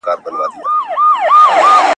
ایا ته د تاریخي شعور په اړه معلومات لري؟